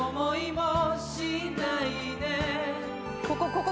ここ！